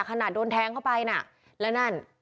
ขนาดโดนแทงเข้าไปนะและนั่น